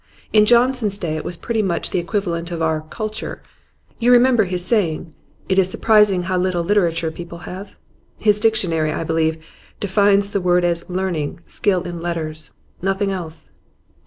In Johnson's day it was pretty much the equivalent of our "culture." You remember his saying, "It is surprising how little literature people have." His dictionary, I believe, defines the word as "learning, skill in letters" nothing else.